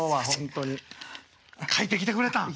書いてきてくれたん？